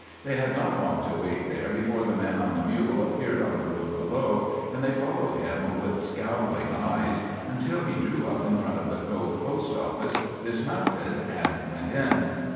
They had not long to wait there before the man on the mule appeared on the road below, and they followed him with scowling eyes until he drew up in front of the Cove post office, dismounted, and went in.